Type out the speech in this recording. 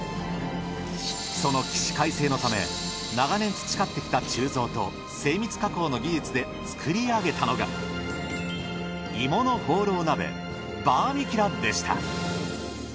その起死回生のため長年培ってきた鋳造と精密加工の技術で作り上げたのが鋳物ホーロー鍋バーミキュラでした。